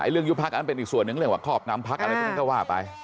เรื่องยุบพักษ์อันเป็นอีกส่วนหนึ่งเรียกว่าขอบน้ำพักษ์อะไรก็ว่าไป